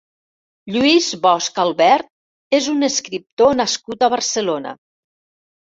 Lluís Bosch Albert és un escriptor nascut a Barcelona.